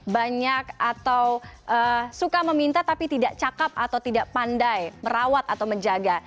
banyak atau suka meminta tapi tidak cakep atau tidak pandai merawat atau menjaga